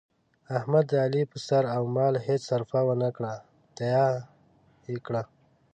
احمد د علي په سر او مال هېڅ سرفه ونه کړه، تیاه یې کړ.